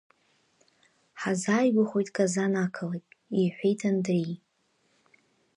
Ҳазааигәахоит Казан ақалақь, – иҳәеит Андреи.